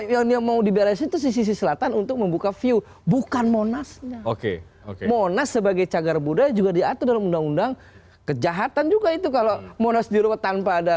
yang yang mau dibelesin itu sisi selatan untuk membuka view bukan monas oke monas sebagai cagar buddha juga diatur dalam undang undang kejahatan juga itu kalau monas diruet tanpa adab